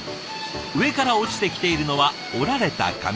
上から落ちてきているのは折られた紙。